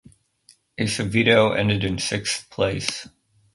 Acevedo ended in sixth place.